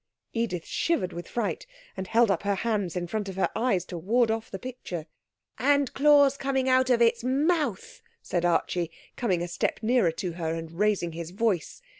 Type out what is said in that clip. Edith shivered with fright and held up her hands in front of her eyes to ward off the picture. 'And claws coming out of the mouth,' said Archie, coming a step nearer to her and raising his voice.